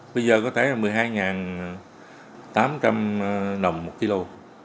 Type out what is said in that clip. bây giờ có thể là một mươi hai tám trăm linh đồng một ký lô